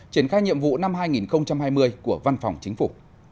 triển khai nhiệm vụ năm hai nghìn hai mươi của văn phòng chính phủ